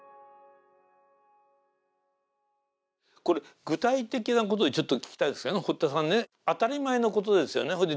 これ具体的なことでちょっと聞きたいんですけど堀田さんね当たり前のことですよね。